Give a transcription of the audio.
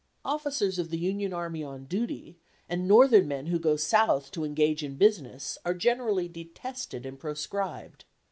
Officers of the Union army on duty, and Northern men who go south to engage in business, are generally detested and proscribed.